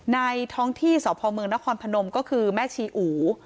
ท้องที่สพเมืองนครพนมก็คือแม่ชีอู